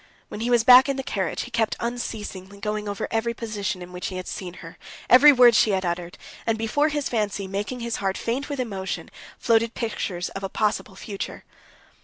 When he was back in the carriage, he kept unceasingly going over every position in which he had seen her, every word she had uttered, and before his fancy, making his heart faint with emotion, floated pictures of a possible future.